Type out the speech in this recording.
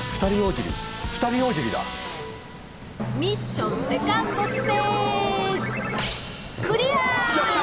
ミッションセカンドステージやった！